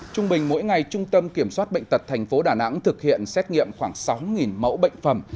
trung bình mỗi ngày trung tâm kiểm soát bệnh tật tp đà nẵng thực hiện xét nghiệm khoảng sáu mẫu bệnh phẩm